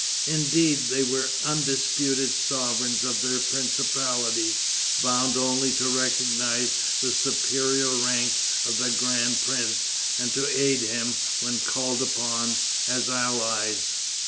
Indeed, they were undisputed sovereigns of their principalities, bound only to recognize the superior rank of the grand prince, and to aid him, when called upon, as allies.